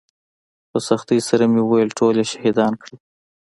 په سختۍ سره مې وويل ټول يې شهيدان کړل.